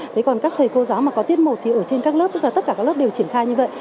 thế còn các thầy cô giáo mà có tiết một thì ở trên các lớp tức là tất cả các lớp đều triển khai như vậy